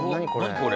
これ。